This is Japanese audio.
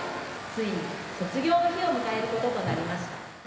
ついに卒業の日を迎えることとなりました。